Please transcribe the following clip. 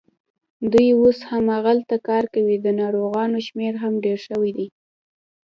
دوی اوس هماغلته کار کوي، د ناروغانو شمېر هم ډېر شوی دی.